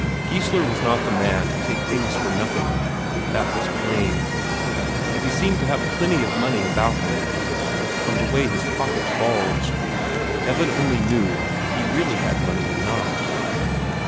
Geissler was not the man to take things for nothing, that was plain. And he seemed to have plenty of money about him, from the way his pocket bulged. Heaven only knew if he really had money or not.